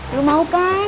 lu mau kan